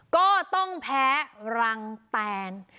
ก็จะต้องแพ้รังแปลน